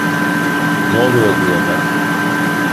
N'oluyor burada?